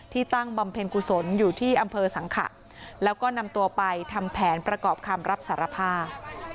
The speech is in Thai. ตั้งบำเพ็ญกุศลอยู่ที่อำเภอสังขะแล้วก็นำตัวไปทำแผนประกอบคำรับสารภาพ